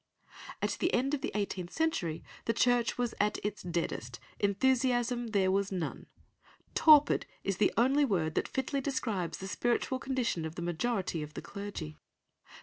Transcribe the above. At the end of the eighteenth century the Church was at its deadest, enthusiasm there was none. Torpid is the only word that fitly describes the spiritual condition of the majority of the clergy.